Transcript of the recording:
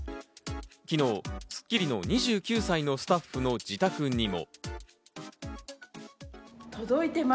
昨日『スッキリ』の２９歳のスタッフの自宅にも。